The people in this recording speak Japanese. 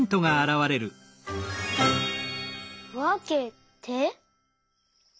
「わけて」？